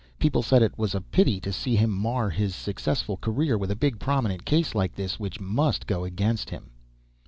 People said it was a pity to see him mar his successful career with a big prominent case like this, which must go against him.